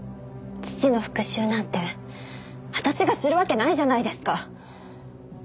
父の復讐なんて私がするわけないじゃないですか！